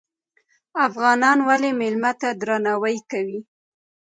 افغانان ولې میلمه ته درناوی کوي؟